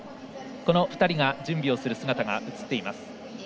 この２人が準備をする姿が映っています。